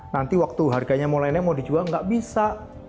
nanti waktu harganya mulainya mau dijual tidak bisa